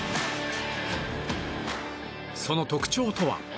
その特徴とは？